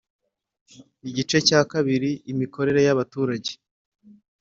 Igice cya kabiri Imikorere ya baturage